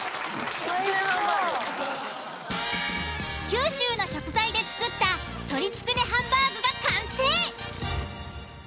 九州の食材で作った鶏つくねハンバーグが完成！